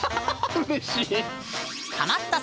うれしい！